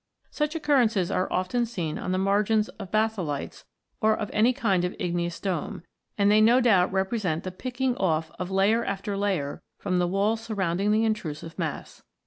Such occurrences are often seen on the margins of batholites or of any kind of igneous dome, and they no doubt represent the picking off of layer after layer from the walls surrounding the intrusive mass.